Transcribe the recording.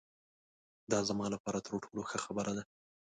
دا زما له پاره تر ټولو ښه خبره ده.